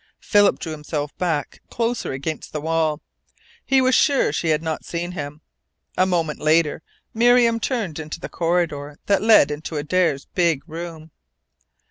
Philip drew himself back closer against the wall. He was sure she had not seen him. A moment later Miriam turned into the corridor that led into Adare's big room.